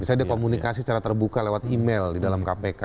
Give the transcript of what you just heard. misalnya ada komunikasi secara terbuka lewat email di dalam kpk